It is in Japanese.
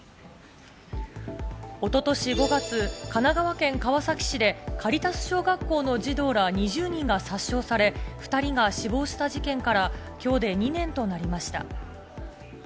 一昨年５月、神奈川県川崎市でカリタス小学校の児童ら２０人が殺傷され、２人が死亡した事件から今日で２年となりました。